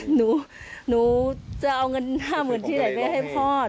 หนูจะเอาเงิน๕๐๐๐ที่ไหนไปให้พ่อ